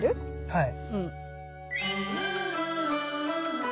はい。